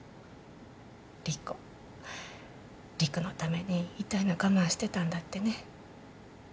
莉子理玖のために痛いのがまんしてたんだってね。